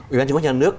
ubnd trung quốc nhà nước